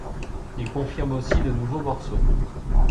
Ils confirment aussi de nouveaux morceaux.